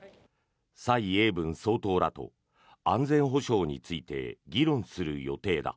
蔡英文総統らと安全保障について議論する予定だ。